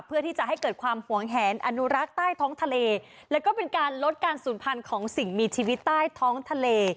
เพื่อที่จะให้เกิดความหวงแหนอนุรักษ์ใต้ท้องทะเลแล้วก็เป็นการลดการศูนย์พันธุ์ของสิ่งมีชีวิตใต้ท้องทะเล